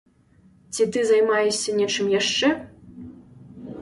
Ці ты займаешся нечым яшчэ?